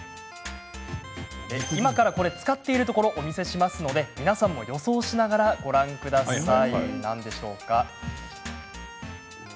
今からこれを使っているところをお見せしますので皆さんも予想しながらご覧ください。